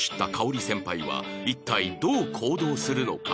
香織先輩は一体どう行動するのか？